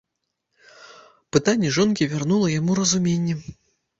Пытанне жонкі вярнула яму разуменне.